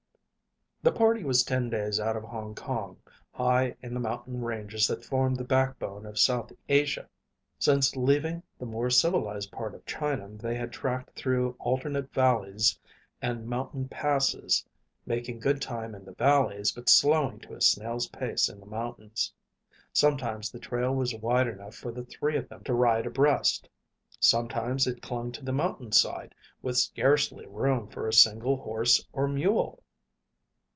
The party was ten days out of Hong Kong, high in the mountain ranges that formed the backbone of south Asia. Since leaving the more civilized part of China they had trekked through alternate valleys and mountain passes, making good time in the valleys, but slowing to a snail's pace in the mountains. Sometimes the trail was wide enough for the three of them to ride abreast. Sometimes it clung to the mountainside with scarcely room for a single horse or mule.